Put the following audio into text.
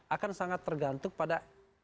akan sangat tergantung pada